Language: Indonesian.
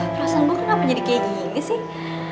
perasaan gue kenapa jadi kayak gini sih